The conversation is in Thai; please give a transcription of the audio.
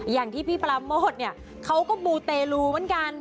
อย่างที่พี่ปราโมทเนี่ยเขาก็มูเตลูเหมือนกัน